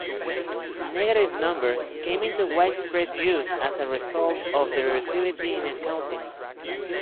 Negative numbers came into widespread use as a result of their utility in accounting.